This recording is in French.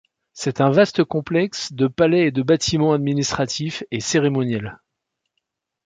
C'est un vaste complexe de palais et de bâtiments administratifs et cérémoniels.